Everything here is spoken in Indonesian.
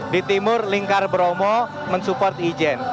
di timur lingkar bromo mensupport ijen